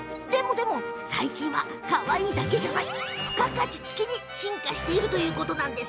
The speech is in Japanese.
最近は、かわいいだけじゃない付加価値付きに進化しているといいます。